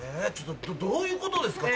どういうことですか？